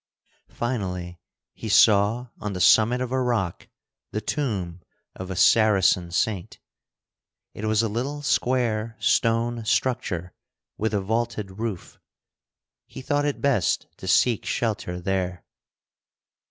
Finally he saw on the summit of a rock the tomb of a Saracen saint. It was a little square stone structure with a vaulted roof. He thought it best to seek shelter there.